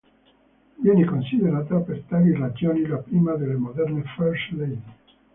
Viene considerata per tali ragioni la prima delle moderne first lady.